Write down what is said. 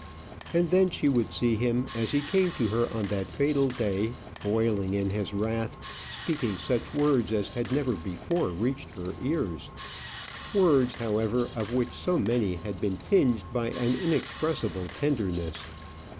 And then she would see him, as he came to her on that fatal day, boiling in his wrath, speaking such words as had never before reached her ears; words, however, of which so many had been tinged by an inexpressible tenderness.